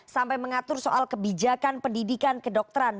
sampai mengatur soal kebijakan pendidikan kedokteran